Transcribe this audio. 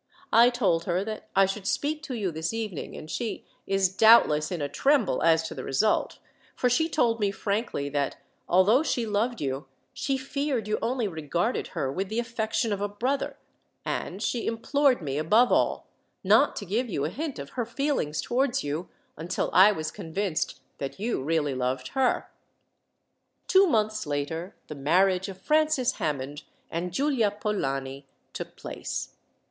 I told her that I should speak to you this evening, and she is doubtless in a tremble as to the result, for she told me frankly that, although she loved you, she feared you only regarded her with the affection of a brother, and she implored me, above all, not to give you a hint of her feelings towards you, until I was convinced that you really loved her." Two months later, the marriage of Francis Hammond and Giulia Polani took place.